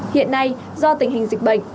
hiện nay do tình hình dịch bệnh